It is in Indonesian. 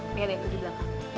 enggak deh aku bilang